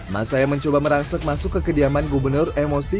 masa yang mencoba merangsek masuk ke kediaman gubernur emosi